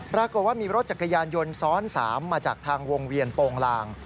ปรากฏว่ามีรถจักรยานยนต์ซ้อน๓มาจากทางวงเวียนโปรงลาง